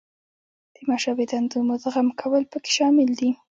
د مشابه دندو مدغم کول پکې شامل دي.